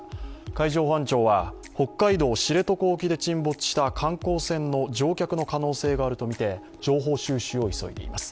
海上保安庁は、北海道・知床沖で沈没した観光船の乗客の可能性があるとみて情報収集を急いでいます。